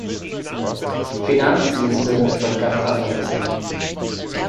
Finanzdienste sind etwas ganz anderes.